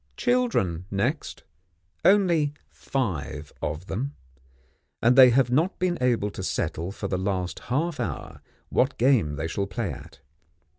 Children, next. Only five of them, and they have not been able to settle for the last half hour what game they shall play at.